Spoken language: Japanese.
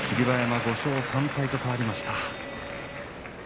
馬山５勝３敗と変わりました。